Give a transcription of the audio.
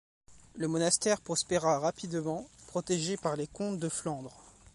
Le monastère prospèra rapidement, protégé par les comtes de Flandre.